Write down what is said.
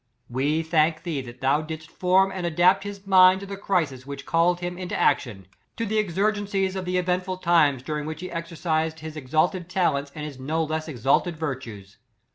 We thank thee that thou didst form and adapt his mind to the crisis which cal led him into action — to the exigencies of 3S the eventful times during which he exercis ed his exalted talents and his no less exalted virtues.